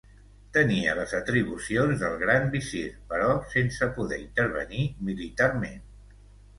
Tenia les atribucions del gran visir però sense poder intervenir militarment.